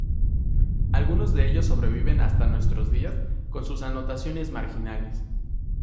Algunos de ellos sobreviven hasta nuestros días con sus anotaciones marginales.